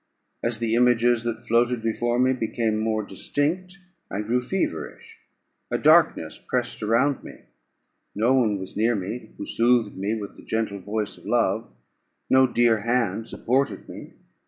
As the images that floated before me became more distinct, I grew feverish; a darkness pressed around me: no one was near me who soothed me with the gentle voice of love; no dear hand supported me.